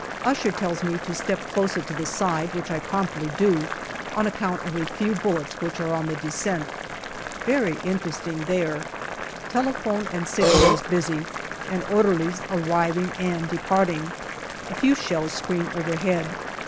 Usher tells me to step closer to the side, which I promptly do, on account of a few bullets which are on the descent. Very interesting there. Telephone and signallers busy, and orderlies arriving and departing. A few shells scream overhead.